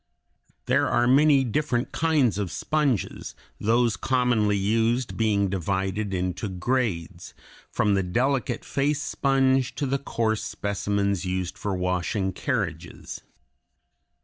There are many different kinds of sponges, those commonly used being divided into grades, from the delicate face sponge to the coarse specimens used for washing carriages.